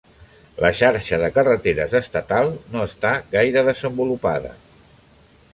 La xarxa de carreteres estatal no està gaire desenvolupada.